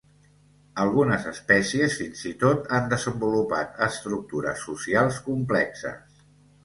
Algunes espècies fins i tot han desenvolupat estructures socials complexes.